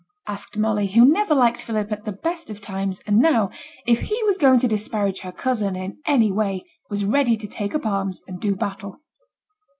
asked Molly, who never liked Philip at the best of times, and now, if he was going to disparage her cousin in any way, was ready to take up arms and do battle.